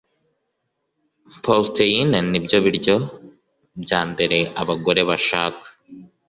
Protein nibyo biryo bya mbere abagore bashaka